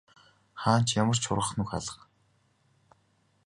Хаана ч ямар ч шургах нүх алга.